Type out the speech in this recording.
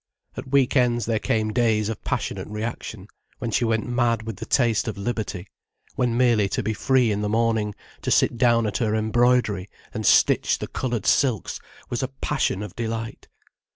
At week ends there came days of passionate reaction, when she went mad with the taste of liberty, when merely to be free in the morning, to sit down at her embroidery and stitch the coloured silks was a passion of delight.